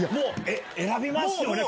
選びますよね？